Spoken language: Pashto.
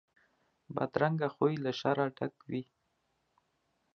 بدرنګه خوی له شره ډک وي